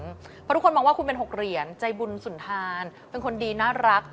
เพราะทุกคนมองว่าคุณเป็น๖เหรียญใจบุญสุนทานเป็นคนดีน่ารัก